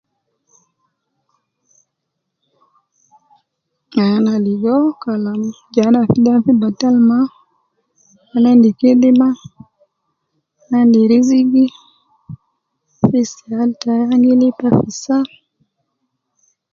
Ai ana ligo Kalam je ana fi de, an fi batal ma, ana endi kidima, ana endi rizigi ,fees tai kaman an gi lipa fi saa